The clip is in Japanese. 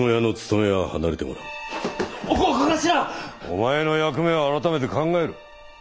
お前の役目は改めて考える。